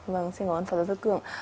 vâng xin cảm ơn phật giáo sư cường